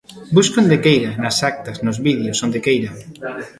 Busque onde queira, nas actas, nos vídeos, onde queira.